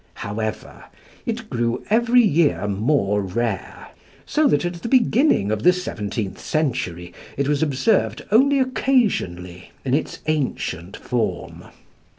However, it grew every year more rare, so that at the beginning of the seventeenth century it was observed only occasionally in its ancient form.